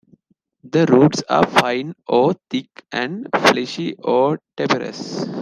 The roots are fine or thick and fleshy or tuberous.